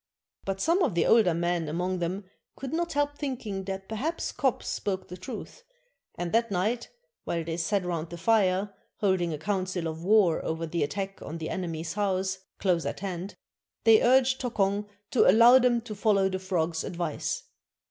But some of the older men among them could not help thinking that perhaps Kop spoke the truth, and that night, while they sat round the fire, holding a council of war over the attack on the enemy's house, close at hand, they urged Tokong to allow them to follow the frog's advice.